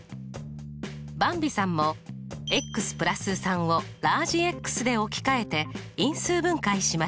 ばんびさんもをＸで置き換えて因数分解しました。